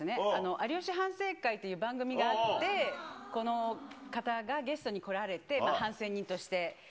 有吉反省会という番組があって、この方がゲストに来られて、反省人として。